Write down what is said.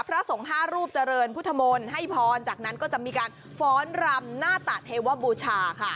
พระสงฆ์๕รูปเจริญพุทธมนต์ให้พรจากนั้นก็จะมีการฟ้อนรำหน้าตะเทวบูชาค่ะ